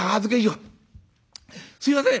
すいません。